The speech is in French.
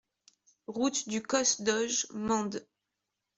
Route du Causse d'Auge, Mende